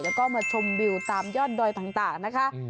แล้วก็มาชมวิวตามยอดดอยต่างนะคะ